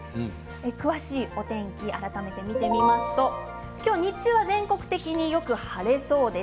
詳しいお天気を改めて見てみますと、今日、日中は全国的によく晴れそうです。